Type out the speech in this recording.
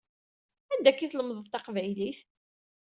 Anda akka i tlemdeḍ taqbaylit?